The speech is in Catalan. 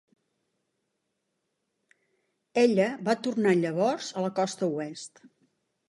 Ella va tornar llavors a la costa oest.